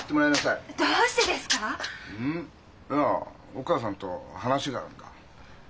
いやお母さんと話があるんだ。